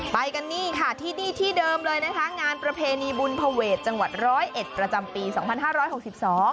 ไปกันนี่ค่ะที่นี่ที่เดิมเลยนะคะงานประเพณีบุญภเวทจังหวัดร้อยเอ็ดประจำปีสองพันห้าร้อยหกสิบสอง